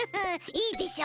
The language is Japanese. いいでしょ？